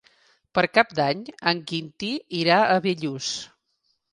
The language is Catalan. Per Cap d'Any en Quintí irà a Bellús.